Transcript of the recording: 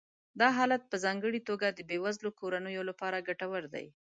دا حالت په ځانګړې توګه د بې وزله کورنیو لپاره ګټور دی